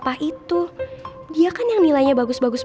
jauh lebih sama apa bagi ma